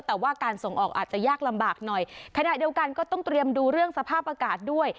แต่ว่าการส่งออกอาจจะยากลำบากหน่อยขณะเดียวกันก็ต้องเตรียมดูเรื่องสภาพอากาศด้วย